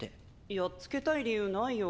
やっつけたい理由ないよ？